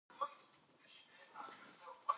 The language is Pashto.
افغانستان کې قومونه د خلکو د خوښې وړ یو ځای دی.